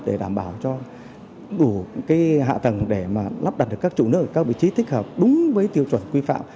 để đảm bảo cho đủ hạ tầng để mà lắp đặt được các chủ nước ở các vị trí thích hợp đúng với tiêu chuẩn quy phạm